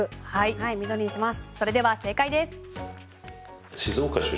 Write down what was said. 緑にします。